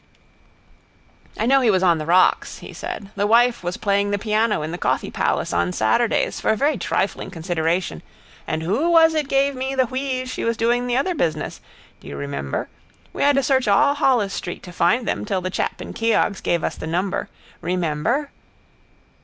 —I knew he was on the rocks, he said. The wife was playing the piano in the coffee palace on Saturdays for a very trifling consideration and who was it gave me the wheeze she was doing the other business? Do you remember? We had to search all Holles street to find them till the chap in Keogh's gave us the number. Remember?